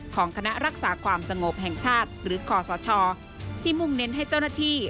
ของคณะรักษาความสงบแห่งชาติหรือขอสชที่มุ่งเน้นให้เจ้าหน้าที่